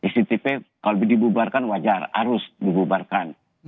cctv kalau dibubarkan wajar harus dibubarkan